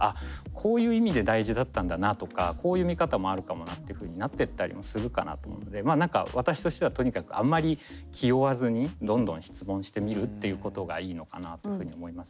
こういう意味で大事だったんだなとかこういう見方もあるかもなっていうふうになってったりもするかなと思うので何か私としてはとにかくあんまりのかなというふうに思いますね。